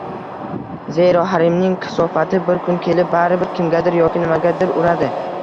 Zero, haromning kasofati bir kun kelib, baribir kimgadir yoki nimagadir uradi.